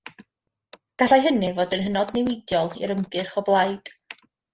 Gallai hynny fod yn hynod niweidiol i'r ymgyrch o blaid.